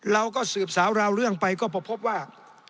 เราก็สืบสาวราวเรื่องไปก็พบว่า